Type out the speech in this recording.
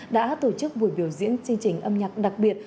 đã tổ chức buổi biểu diễn chương trình âm nhạc đặc biệt